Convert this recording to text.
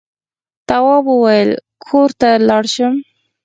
تواب وويل: کور ته لاړ شم.